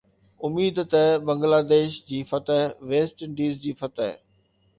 اميد ته بنگلاديش جي فتح، ويسٽ انڊيز جي فتح